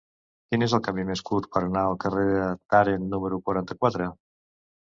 Quin és el camí més curt per anar al carrer de Tàrent número quaranta-quatre?